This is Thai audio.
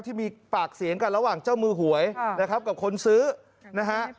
ที่มีปากเสียงกันระหว่างเจ้ามือหวยนะครับกับคนซื้อนะฮะ